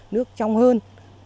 nước trong hơn